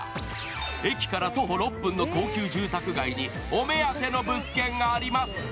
駅から徒歩６分の高級住宅街にお目当ての物件があります。